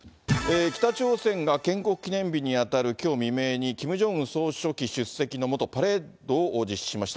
北朝鮮が建国記念日に当たるきょう未明に、キム・ジョンウン総書記出席のもと、パレードを実施しました。